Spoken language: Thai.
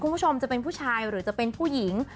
คุณผู้ชมจะเป็นผู้ชายหรือจะเป็นผู้หญิง